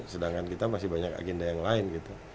sedangkan kita masih banyak agenda yang lain gitu